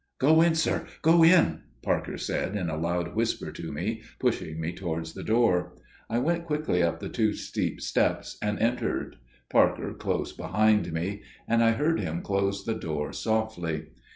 "Go in, sir: go in," Parker said, in a loud whisper to me, pushing me towards the door. I went quickly up the two steep steps and entered, Parker close behind me, and I heard him close the door softly.